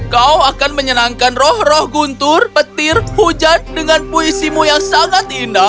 kau akan menyenangkan roh roh guntur petir hujan dengan puisimu yang sangat indah